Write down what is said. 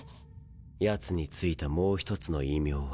ヤツに付いたもう一つの異名は。